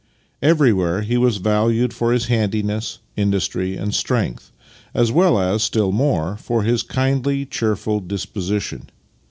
Everywhere he was valued for his handiness, industry and strength, as well as, still more, for his kindly, cheerful disposition.